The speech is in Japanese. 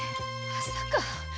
まさか！